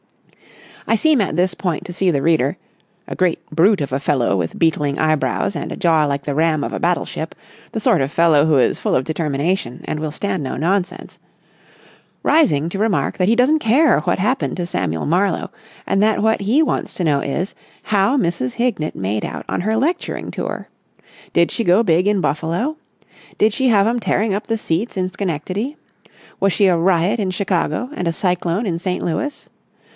I seem at this point to see the reader—a great brute of a fellow with beetling eyebrows and a jaw like the ram of a battleship, the sort of fellow who is full of determination and will stand no nonsense—rising to remark that he doesn't care what happened to Samuel Marlowe and that what he wants to know is, how Mrs. Hignett made out on her lecturing tour. Did she go big in Buffalo? Did she have 'em tearing up the seats in Schenectady? Was she a riot in Chicago and a cyclone in St. Louis?